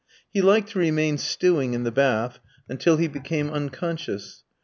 He liked to remain stewing in the bath until he became unconscious.